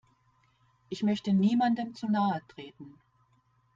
Ich möchte niemandem zu nahe treten.